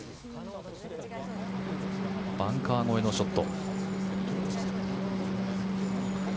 バンカー越えのショット。